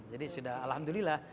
jadi sudah alhamdulillah